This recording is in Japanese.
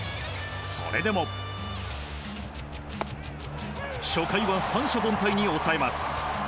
それでも初回は三者凡退に抑えます。